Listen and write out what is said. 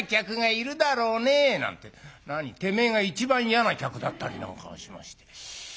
何てめえが一番嫌な客だったりなんかしまして。